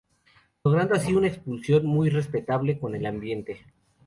Logrando así una exposición muy respetable con el ambiente.